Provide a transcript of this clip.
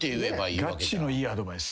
ガチのいいアドバイス。